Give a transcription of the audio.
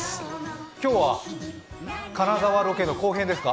今日は金沢ロケの後編ですか。